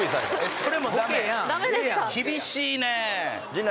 それもダメ厳しいね。